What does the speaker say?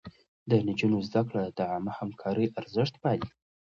د نجونو زده کړه د عامه همکارۍ ارزښت پالي.